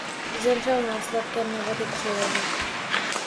Zemřel následkem nehody při lovu.